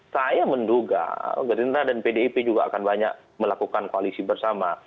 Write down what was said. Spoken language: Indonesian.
saya menduga gerindra dan pdip juga akan banyak melakukan koalisi bersama